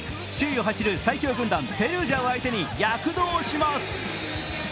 首位を走る最強軍団・ペルージャを相手に躍動します。